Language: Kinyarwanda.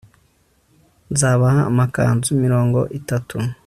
nzabaha amakanzu mirongo itatu